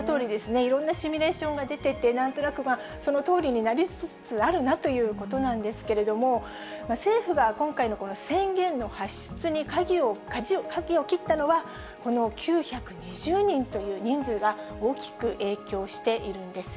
いろんなシミュレーションが出てて、なんとなくそのとおりになりつつあるなということなんですけれども、政府は今回のこの宣言の発出にかじを切ったのは、この９２０人という人数が大きく影響しているんです。